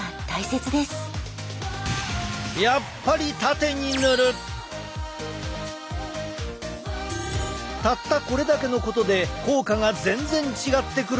やっぱりたったこれだけのことで効果が全然違ってくるというのだ。